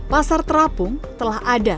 pasar terapung telah ada